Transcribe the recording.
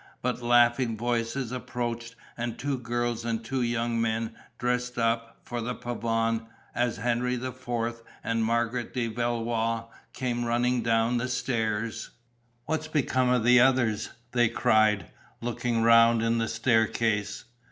But laughing voices approached; and two girls and two young men, dressed up, for the pavane, as Henri IV. and Marguerite de Valois, came running down the stairs: "What's become of the others?" they cried, looking round in the staircase.